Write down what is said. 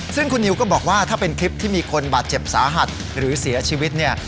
ซึ่งคุณนิวก็บอกว่าถ้าเป็นคลิปที่มีคนบาดเจ็บสาหัสหรือเสียชีวิตเนี่ย